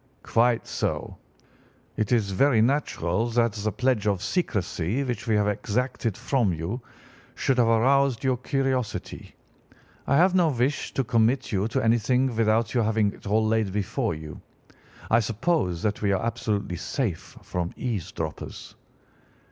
"'Quite so. It is very natural that the pledge of secrecy which we have exacted from you should have aroused your curiosity. I have no wish to commit you to anything without your having it all laid before you. I suppose that we are absolutely safe from eavesdroppers?